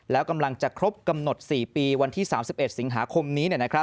แล้วกำลังจะครบกำหนด๔ปีวันที่๓๑สิงหาคมนี้